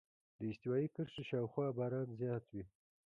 د استوایي کرښې شاوخوا باران زیات وي.